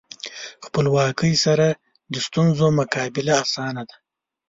خپلواکۍ سره د ستونزو مقابله اسانه ده.